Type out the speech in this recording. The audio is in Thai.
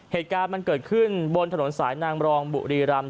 เหตุการณ์มันเกิดขึ้นบนถนนสายนางรองบุรีรำ